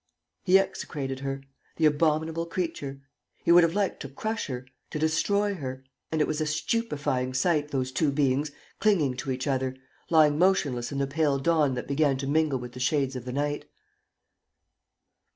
He execrated her, the abominable creature. He would have liked to crush her, to destroy her. And it was a stupefying sight, those two beings, clinging to each other, lying motionless in the pale dawn that began to mingle with the shades of the night.